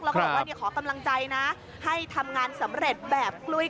แล้วก็บอกว่าขอกำลังใจนะให้ทำงานสำเร็จแบบกล้วย